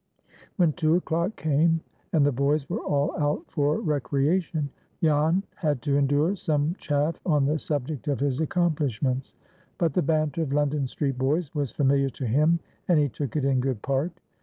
When two o'clock came, and the boys were all out for "recreation," Jan had to endure some chaff on the subject of his accomplishments. But the banter of London street boys was familiar to him, and he took it in good part.